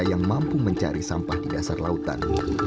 yang mampu mencari sampah di dasar lautan